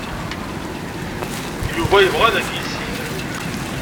Yuba yella yebɣa ad k-yessen.